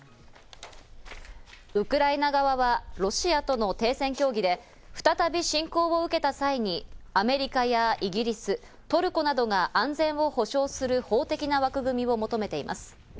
ウクライナ側はロシアとの停戦協議で再び侵攻を受けた際に、アメリカやイギリス、トルコなどが安全を保証する法的な枠組みを求めています。